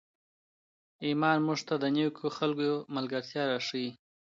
ایمان موږ ته د نېکو خلکو ملګرتیا راښیي.